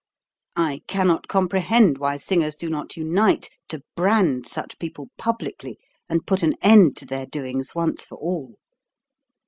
I cannot comprehend why singers do not THE CURE 187 unite to brand such people publicly and put an end to their doings once for all.